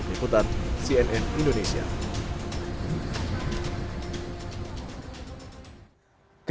ikutan cnn indonesia